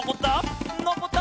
のこった！